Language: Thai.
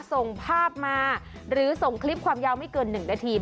ส่งภาพมาหรือส่งคลิปความยาวไม่เกิน๑นาที